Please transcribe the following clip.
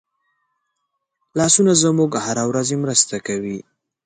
لاسونه زموږ هره ورځي مرسته کوي